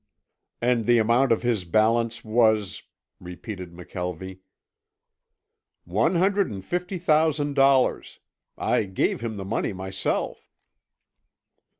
"And the amount of his balance was " repeated McKelvie. "One hundred and fifty thousand dollars. I gave him the money myself."